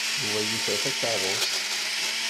Yuba yuker takeṛṛust.